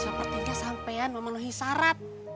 sepertinya sampean memenuhi syarat